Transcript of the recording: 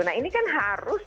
nah ini kan harus